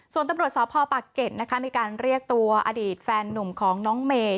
ส่วนตำรวจสพปากเกร็ดนะคะมีการเรียกตัวอดีตแฟนนุ่มของน้องเมย์